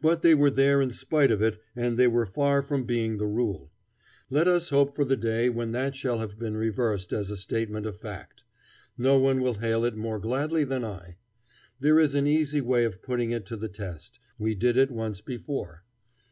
But they were there in spite of it and they were far from being the rule. Let us hope for the day when that shall have been reversed as a statement of fact. No one will hail it more gladly than I. There is an easy way of putting it to the test; we did it once before.